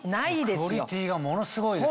クオリティーがものすごいです。